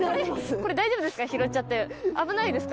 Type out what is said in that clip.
これ大丈夫ですか？